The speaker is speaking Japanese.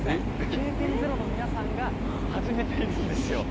経験ゼロの皆さんが、始めているんですよ。